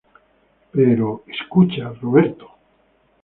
pero... escucha, Roberto.